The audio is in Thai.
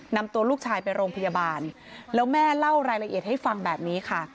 นำตัวลูกชายไปโรงพยาบาลแล้วแม่เล่ารายละเอียดให้ฟังแบบนี้ค่ะ